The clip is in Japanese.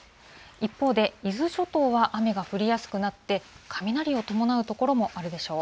一方で伊豆諸島は雨が降りやすくなって、雷を伴う所もあるでしょう。